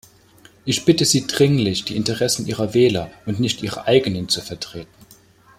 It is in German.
Ich bitte sie dringlich, die Interessen ihrer Wähler und nicht ihre eigenen zu vertreten.